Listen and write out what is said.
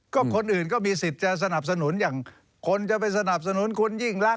ก็คนอื่นก็มีสิทธิ์จะสนับสนุนอย่างคนจะไปสนับสนุนคุณยิ่งรัก